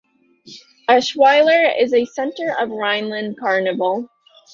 Eschweiler is a center of Rhineland carnival.